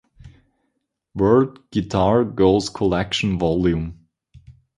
World Guitar Girls Collection Vol.